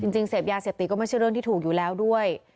เสพยาเสพติดก็ไม่ใช่เรื่องที่ถูกอยู่แล้วด้วย